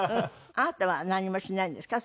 あなたは何もしないんですか？